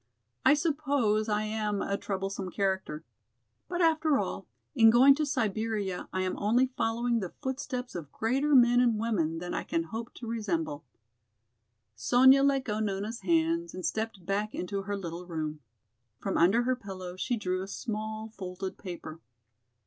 I suppose I am a troublesome character. But after all, in going to Siberia I am only following the footsteps of greater men and women than I can hope to resemble." Sonya let go Nona's hands and stepped back into her little room. From under her pillow she drew a small folded paper.